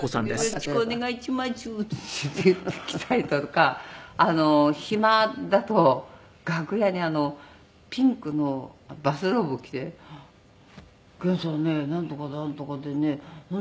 「よろちくお願いちまちゅ」って言ってきたりとか暇だと楽屋にピンクのバスローブ着て「研さんねなんとかなんとかでねなんとかなんですよ」